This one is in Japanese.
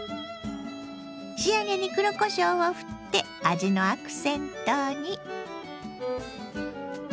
仕上げに黒こしょうをふって味のアクセントに。